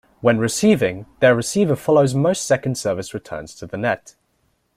When receiving, their receiver follows most second-service returns to the net.